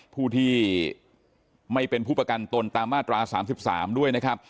ผู้ที่ไม่เป็นผู้ประกันตนตามมาตรา๓๓ด้วยนะครับ